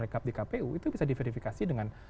rekap di kpu itu bisa diverifikasi dengan